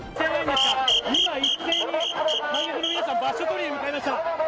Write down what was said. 今一斉に観客の皆さん、場所取りに向かいました。